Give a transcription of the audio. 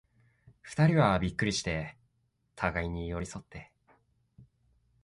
二人はびっくりして、互に寄り添って、